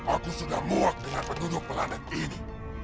aku sudah muak dengan penduduk peladak ini